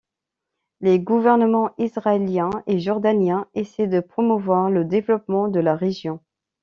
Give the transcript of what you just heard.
Les gouvernements israélien et jordanien essaient de promouvoir le développement de la région.